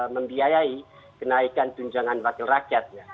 membiayai kenaikan tunjangan wakil rakyat